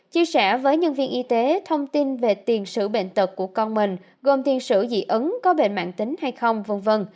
chia sẻ với nhân viên y tế thông tin về tiền sự bệnh tật của con mình gồm tiền sử dị ứng có bệnh mạng tính hay không v v